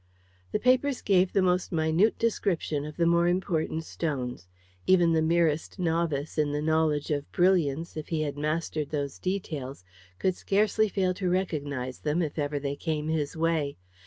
The papers gave the most minute description of the more important stones. Even the merest novice in the knowledge of brilliants, if he had mastered those details, could scarcely fail to recognise them if ever they came his way.